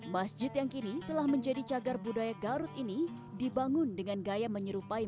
masjid yang kini telah menjadi cagar budaya garut ini dibangun dengan gaya menyerupai